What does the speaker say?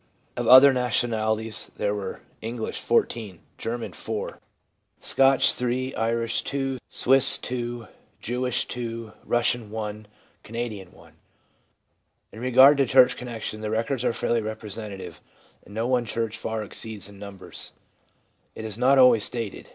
Of other nationalities there were English, 14; German, 4; Scotch, 186 THE PSYCHOLOGY OF RELIGION 3 ; Irish, 2 ; Swiss, 2 ; Jewish, 2 ; Russian, 1 ; Cana dian, 1. In regard to church connection, the records are fairly representative, and no one church far exceeds in numbers. It is not always stated.